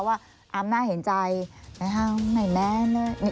ว่าอ้ำน่าเห็นใจไหนแม้เนี่ย